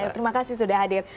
terima kasih sudah hadir